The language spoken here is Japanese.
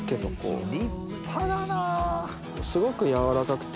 立派だな。